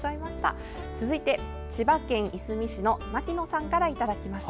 続いて、千葉県いすみ市の牧野さんからいただきました。